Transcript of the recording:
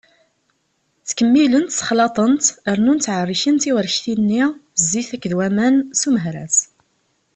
Ttkemmilent, sexlaḍent, rnu εerkent i urekti-nni zzit akked waman s umehraz.